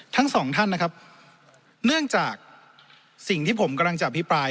ทั้งสองท่านนะครับเนื่องจากสิ่งที่ผมกำลังจะอภิปราย